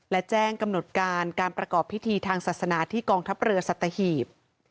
และแจ้งกำหนดการการประกอบพิธีทางศาสนาที่กองทัพเรือสัตหีบ